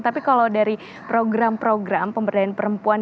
tapi kalau dari program program pemberdayaan perempuan